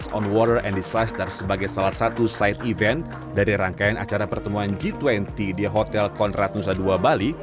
dan water and design stars sebagai salah satu side event dari rangkaian acara pertemuan g dua puluh di hotel konrad nusa ii bali